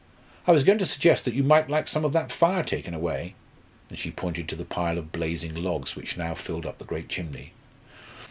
I was going to suggest that you might like some of that fire taken away?" And she pointed to the pile of blazing logs which now filled up the great chimney.